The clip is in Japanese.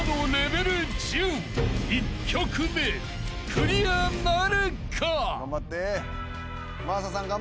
［クリアなるか？］